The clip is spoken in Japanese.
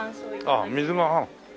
ああ水が。